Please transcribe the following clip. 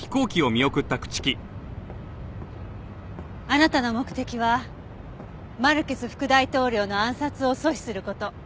あなたの目的はマルケス副大統領の暗殺を阻止する事。